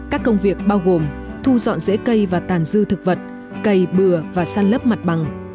các công việc bao gồm thu dọn dễ cây và tàn dư thực vật cây bừa và săn lấp mặt bằng